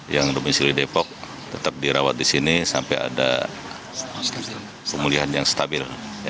yang domisili depok tetap dirawat di sini sampai ada pemulihan yang stabil